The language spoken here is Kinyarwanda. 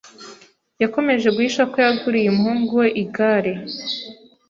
Yakomeje guhisha ko yaguriye umuhungu we igare.